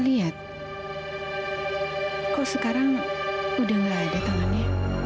itu kan mobil rizky